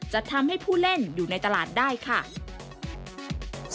จะทำให้ผู้เล่นอยู่ในตลาดได้ค่ะ